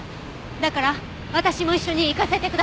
だから私も一緒に行かせてください。